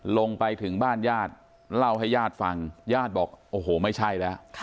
ลงไปถึงบ้านยาดเล่าให้ยาดฟังยาดบอกโอ้โหไม่ใช่ละค่ะ